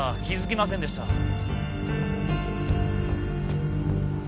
気づきませんでした。